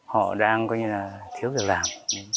họ đang thiếu việc làm